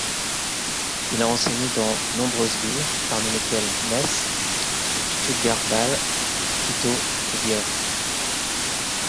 Il a enseigné dans nombreuses villes parmi lesquelles Metz, Stuttgart Bâle, Quito et Györ.